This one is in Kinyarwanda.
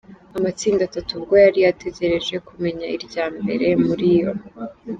Amatsinda atatu ubwo yari ategereje kumenya irya mbere muri yo.